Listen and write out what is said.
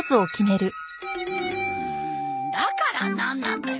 うんだからなんなんだよ！